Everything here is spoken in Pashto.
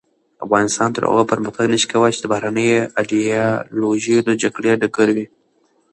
افغانستان تر هغو پرمختګ نشي کولای چې د بهرنیو ایډیالوژیو د جګړې ډګر وي.